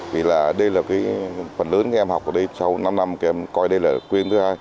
vì đây là phần lớn các em học ở đây sau năm năm các em coi đây là quyền thứ hai